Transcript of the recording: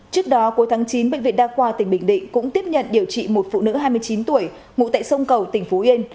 trước đó cuối tháng chín bệnh viện đa khoa tỉnh bình định cũng tiếp nhận điều trị một phụ nữ hai mươi chín tuổi ngụ tại sông cầu tỉnh phú yên